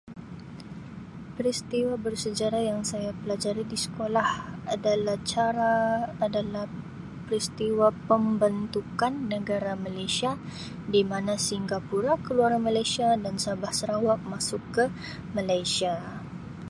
Peristiwa bersejarah yang saya pelajari di sekolah adalah cara adalah peristiwa pembentukan negara Malaysia di mana Singapura keluar Malaysia dan Sabah Sarawak masuk ke Malaysia.